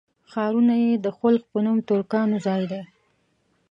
ښارونه یې د خلُخ په نوم ترکانو ځای دی.